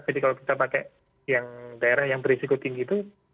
jadi kalau kita pakai yang daerah yang berisiko tinggi itu